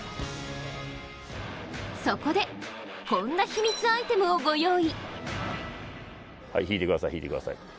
そこでこんな秘密アイテムをご用意。